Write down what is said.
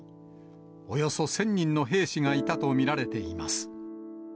およそ１０００人の兵士がいたと見られています。